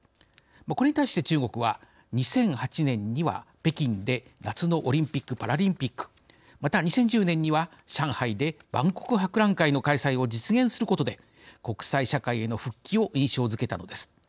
これに対して中国は２００８年には北京で夏のオリンピック・パラリンピックまた、２０１０年には上海で万国博覧会の開催を実現することで国際社会への復帰を印象づけたのです。